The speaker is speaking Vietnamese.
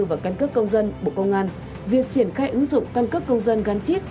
và căn cấp công dân bộ công an việc triển khai ứng dụng căn cấp công dân gắn chip